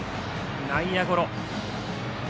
内野ゴロ。